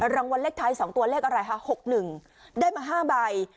รางวัลเลขท้ายสองตัวเลขอะไรฮะหกหนึ่งได้มาห้าใบ